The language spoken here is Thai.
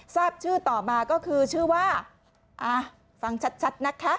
ทราบชื่อต่อมาก็คือชื่อว่าฟังชัดนะคะ